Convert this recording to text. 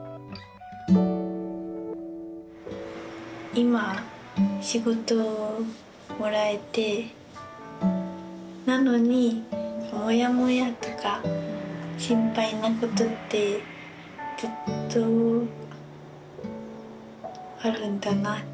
今仕事をもらえてなのにモヤモヤとか心配なことってずっとあるんだなって感じがして。